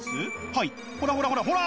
はいほらほらほらほら！